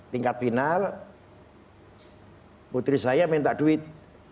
tingkat final putri saya minta duit